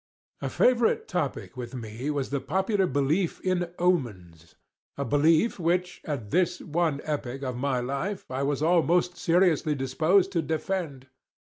A favorite topic with me was the popular belief in omens—a belief which, at this one epoch of my life, I was almost seriously disposed to defend.